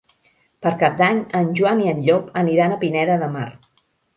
Per Cap d'Any en Joan i en Llop aniran a Pineda de Mar.